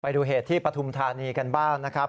ไปดูเหตุที่ปฐุมธานีกันบ้างนะครับ